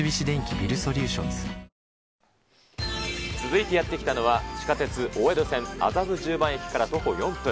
づいていてやって来たのは、地下鉄大江戸線麻布十番駅から徒歩４分。